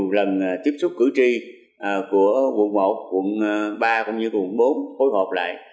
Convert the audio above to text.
nhiều lần tiếp xúc cử tri của quận một quận ba cũng như quận bốn phối hợp lại